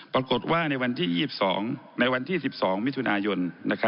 ปรากฏว่าในวันที่๒๒มิถุนายน๒๕๖๓